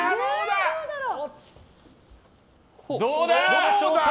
どうだ！